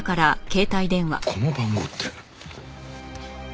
この番号って。